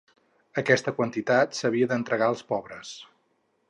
Aquesta quantitat s'havia d'entregar als pobres.